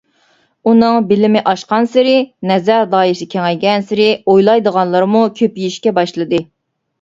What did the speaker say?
ئۇنىڭ بىلىمى ئاشقانسېرى، نەزەر دائىرىسى كېڭەيگەنسېرى ئويلايدىغانلىرىمۇ كۆپىيىشكە باشلىدى.